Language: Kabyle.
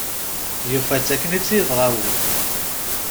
Yufa-tt akken i tt-yebɣa wul.